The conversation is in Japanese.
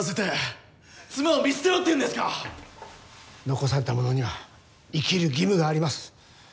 残された者には生きる義務があります。